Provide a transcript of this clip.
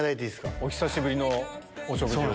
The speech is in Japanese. お久しぶりのお食事を。